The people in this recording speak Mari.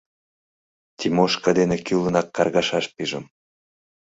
Тимошка дене кӱлынак каргашаш пижым.